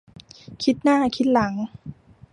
คิดหน้าคิดหลัง